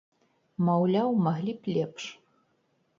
Маўляў, маглі б лепш.